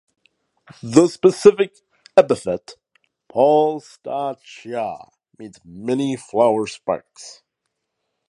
The specific epithet ("polystachya") means "many flower spikes".